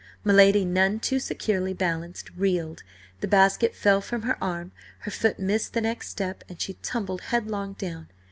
My lady, none too securely balanced, reeled; the basket fell from her arm, her foot missed the next step, and she tumbled headlong down.